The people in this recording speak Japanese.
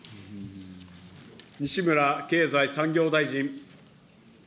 西村経済産業大臣。